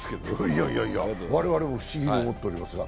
いやいや、我々も不思議に思っておりますが。